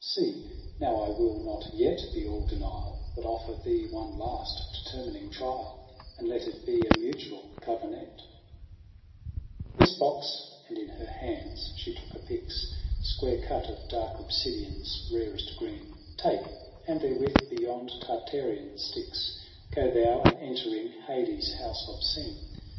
See, now I will not yet be all denial, But oflfer thee one last determining trial j And let it be a mutual covenant : JANUARY ip7 9 ' This box,' and in her hands she took a pyx Square cut, of dark obsidian's rarest green, ' Take ■ and therewith beyond Tartarean Styx Go thou, and entering Hades' house obscene.